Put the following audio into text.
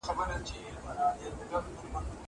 هغه څوک چي انځور ګوري زده کوي!